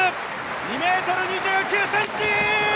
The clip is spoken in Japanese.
２ｍ２９ｃｍ！